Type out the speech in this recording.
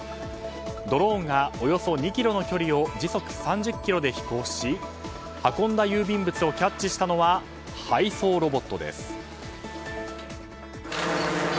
ドローンがおよそ２ｋｍの距離を時速３０キロで飛行し運んだ郵便物をキャッチしたのは配送ロボットです。